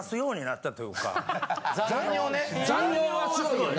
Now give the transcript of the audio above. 残尿はすごいよな。